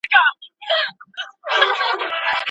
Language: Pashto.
د صابون فابریکي خپل تولیدات بازار ته وړاندي کړل.